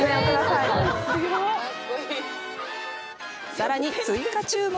さらに追加注文。